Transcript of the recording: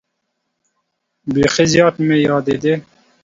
بیخي زیات مې یادېدې.